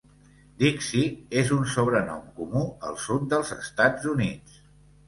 "Dixie" és un sobrenom comú al sud dels Estats Units.